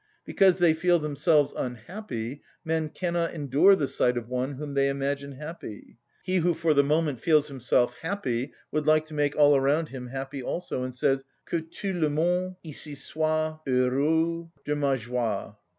Because they feel themselves unhappy, men cannot endure the sight of one whom they imagine happy; he who for the moment feels himself happy would like to make all around him happy also, and says: "_Que tout le monde ici soit heureux de ma joie.